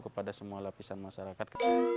kepada semua lapisan masyarakat